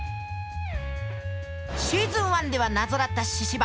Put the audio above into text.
シーズン１では謎だった神々。